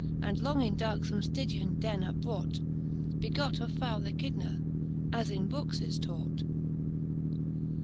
And long in darkfome Stygian den upbrought, Begot of foule Echidna, as in bookes is taught.